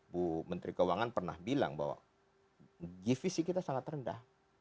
bu menteri keuangan pernah bilang bahwa divisi kita sangat rendah